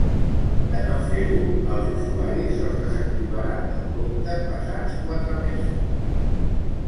De no fer-ho, als usuaris se'ls desactivarà el compte passats quatre mesos.